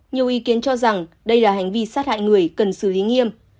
nhiều ý kiến cho rằng đây là hành vi sát hại người cần xử lý nghiêm